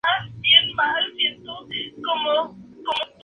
Historic England.